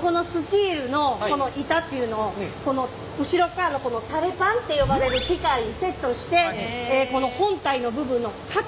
このスチールのこの板っていうのを後ろっかわのこのタレパンって呼ばれる機械にセットしてこの本体の部分の型を抜き打つと。